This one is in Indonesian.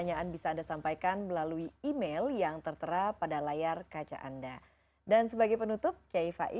wassalamualaikum warahmatullahi wabarakatuh